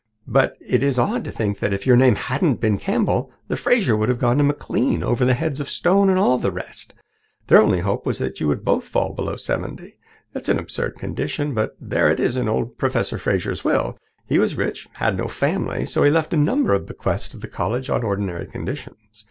But it is odd to think that if your name hadn't been Campbell, the Fraser would have gone to McLean over the heads of Stone and all the rest. Their only hope was that you would both fall below seventy. It's an absurd condition, but there it is in old Professor Fraser's will. He was rich and had no family. So he left a number of bequests to the college on ordinary conditions.